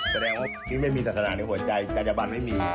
แสดงว่าพี่ไม่มีศาสนาในหัวใจจัญญบันไม่มี